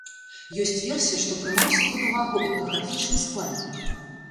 Ёсць версія, што прымаўся пад увагу этнаграфічны складнік.